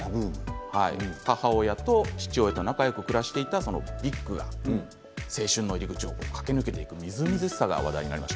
母親と父親と仲よく暮らしていたビックが青春の入り口を駆け抜けていくみずみずしい姿です。